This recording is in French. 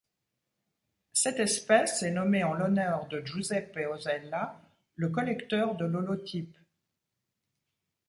Cette espèce est nommée en l'honneur de Giuseppe Osella, le collecteur de l'holotype.